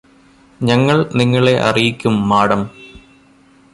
ഞങ്ങൾ നിങ്ങളെ അറിയിക്കും മാഡം